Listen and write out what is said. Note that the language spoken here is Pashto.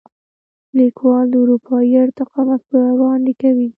لیکوال د اروايي ارتقا مفکوره وړاندې کوي.